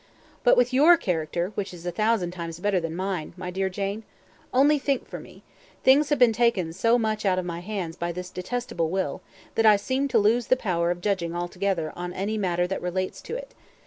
"But with your character, which is a thousand times better than mine, my dear Jane? Only think for me. Things have been taken so much out of my hands by this detestable will, that I seem to lose the power of judging altogether on any matter that relates to it.